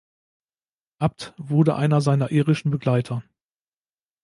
Abt wurde einer seiner irischen Begleiter.